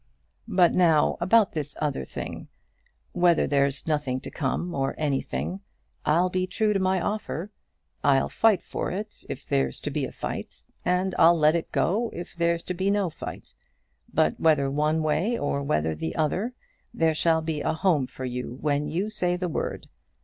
But now, about this other thing. Whether there's nothing to come or anything, I'll be true to my offer. I'll fight for it, if there's to be a fight, and I'll let it go if there's to be no fight. But whether one way or whether the other, there shall be a home for you when you say the word.